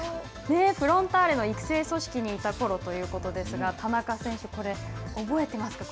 フロンターレの育成組織にいたころということですが田中選手、これ、覚えてますか。